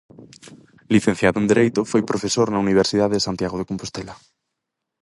Licenciado en Dereito, foi profesor na Universidade de Santiago de Compostela.